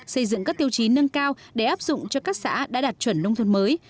xây dựng các tiêu chí nâng cao để áp dụng cho các xã đã đạt chuẩn nông thôn mới